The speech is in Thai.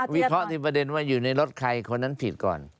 วิเคราะห์ที่ประเด็นว่าอยู่ในรถใครคนนั้นผิดก่อน